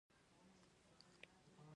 د ادرک ریښه د څه لپاره وکاروم؟